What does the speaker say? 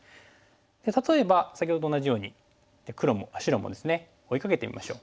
例えば先ほどと同じように白もですね追いかけてみましょう。